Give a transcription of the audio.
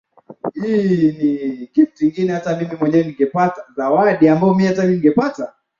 laba shabani sasa unafikiria tatizo nini hasa